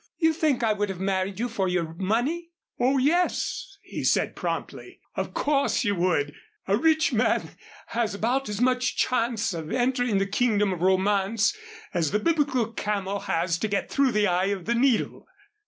"You think I would have married you for your money?" "Oh, yes," he said, promptly, "of course you would. A rich man has about as much chance of entering the Kingdom of Romance as the Biblical camel has to get through the eye of the needle."